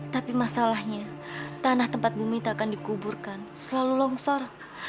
tapi masalahnya tanah tempat bumi tak akan dikuburkan selalu longsor